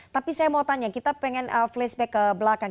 tapi saya mau tanya kita pengen flashback ke belakang